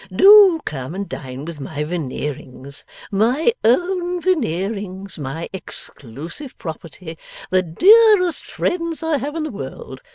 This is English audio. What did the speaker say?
Do come and dine with my Veneerings, my own Veneerings, my exclusive property, the dearest friends I have in the world!